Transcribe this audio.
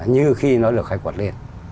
như khi nó được khai quạt lên